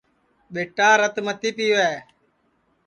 ٻِیٹا رت متی پِیوے